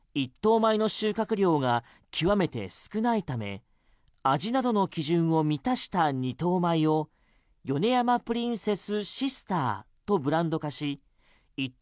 米の収穫量が極めて少ないため味などの基準を満たした二等米を米山プリンセス・シスターとブランド化し一等